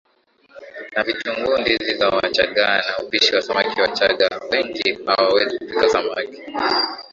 na vitunguuNdizi za Wachagga na upishi wa samaki Wachaga wengi hawawezi kupika samaki